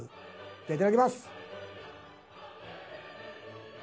じゃあいただきます。